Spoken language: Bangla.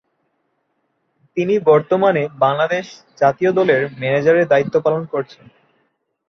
তিনি বর্তমানে বাংলাদেশ জাতীয় দলের ম্যানেজারের দায়িত্ব পালন করছেন।